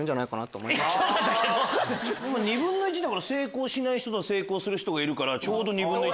成功しない人と成功する人がいるからちょうど２分の１。